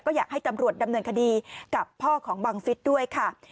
ก็อยากให้ตำรวจดำเนินคดีกับพ่อของบังฟิศด้วยค่ะ